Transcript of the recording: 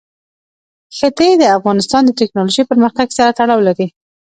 ښتې د افغانستان د تکنالوژۍ پرمختګ سره تړاو لري.